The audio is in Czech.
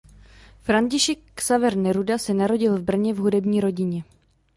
František Xaver Neruda se narodil v Brně v hudební rodině.